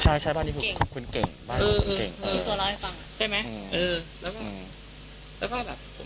ใช่ใช่ว่าบ้านนี้คุณเก่งเออไหว้ใช่ไหมเออแล้วก็แล้วก็